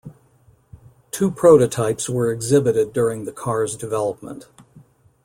Two prototypes were exhibited during the car's development.